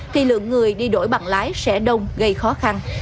thì lượng người đi đổi bằng lái sẽ đông gây khó khăn